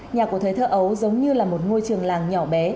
nhà của thời thơ ấu giống như là một ngôi trường làng nhỏ bé